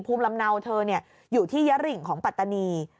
ภูมิลำเนาเธออยู่ที่ยะริงของปัตตานี